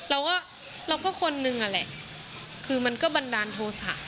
เราก็เราก็คนนึงนั่นแหละคือมันก็บันดาลโทษะ